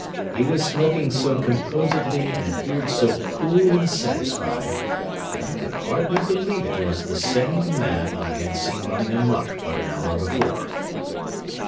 He was smoking so composedly and appeared so cool and satisfied that I could hardly believe it was the same man I had seen running amuck but an hour before.